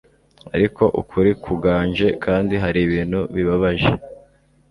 ariko ukuri kuganje kandi haribintu bibabaje